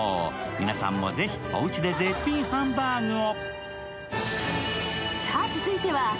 皆さんもぜひおうちで絶品ハンバーグを。